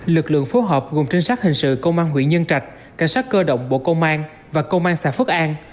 lực lượng phối hợp gồm trinh sát hình sự công an huyện nhân trạch cảnh sát cơ động bộ công an và công an xã phước an